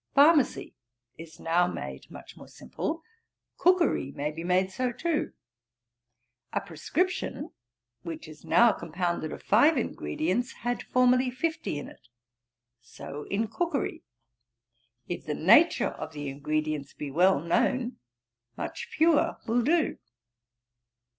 Pharmacy is now made much more simple. Cookery may be made so too. A prescription which is now compounded of five ingredients, had formerly fifty in it. So in cookery, if the nature of the ingredients be well known, much fewer will do.